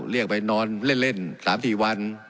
เรียกเขาไปนอนเล่นสาม๗วัน